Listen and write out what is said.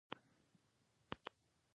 جنګ د طبیعي منابعو ضایع کولو سبب ګرځي.